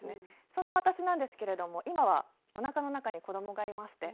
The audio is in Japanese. そんな私なんですけれども今はおなかの中に子どもがいまして。